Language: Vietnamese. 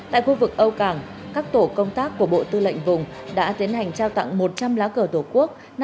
tại khu vực âu cảng các tổ công tác của bộ tư lệnh vùng đã tiến hành trao tặng một trăm linh lá cờ tổ quốc